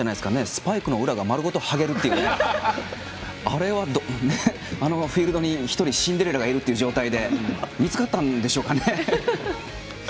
スパイクの裏が丸ごとはげるってあれはあのフィールドに１人、シンデレラがいるっていう状態で見つかったんでしょうかね。